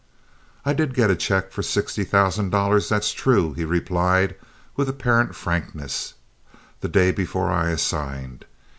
"I did get a check for sixty thousand dollars, that's true," he replied, with apparent frankness, "the day before I assigned.